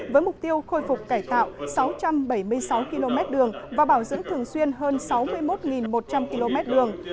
với mục tiêu khôi phục cải tạo sáu trăm bảy mươi sáu km đường và bảo dưỡng thường xuyên hơn sáu mươi một một trăm linh km đường